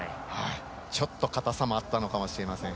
ちょっと硬さもあったのかもしれません。